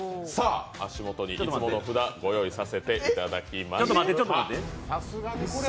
足元にいつもの札ご用意させていただきました。